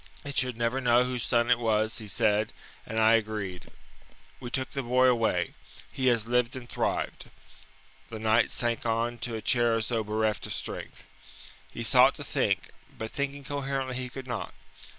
It should never know whose son it was, he said, and I agreed. We took the boy away. He has lived and thrived." The knight sank on to a chair as though bereft of strength. He sought to think, but thinking coherently he could not.